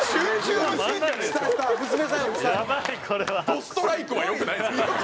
「どストライク」は良くないですよ。